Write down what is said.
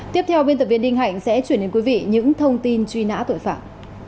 tiếp theo biên tập viên đinh hạnh sẽ chuyển đến quý vị những thông tin truy nã tội phạm